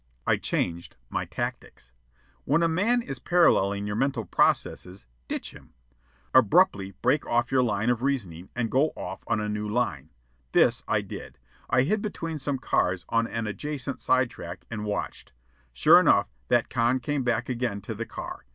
I changed my tactics. When a man is paralleling your mental processes, ditch him. Abruptly break off your line of reasoning, and go off on a new line. This I did. I hid between some cars on an adjacent side track, and watched. Sure enough, that con came back again to the car.